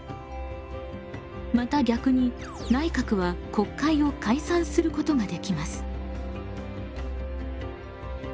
また逆に内閣は国会を解散することができます。